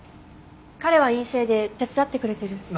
彼は院生で手伝ってくれてる。